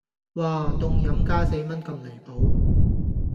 嘩,凍飲加四蚊咁離譜